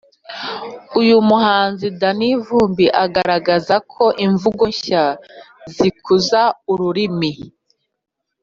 uyu muhanzi danny vumbi agaragaza ko imvugo nshya zikuza ururimi